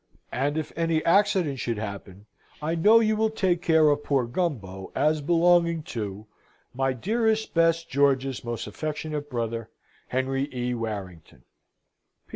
and if any accident should happen, I know you will take care of poor Gumbo as belonging to my dearest best George's most affectionate brother, HENRY E. WARRINGTON.